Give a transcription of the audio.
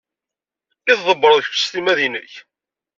I tḍebbred kecc s timmad-nnek?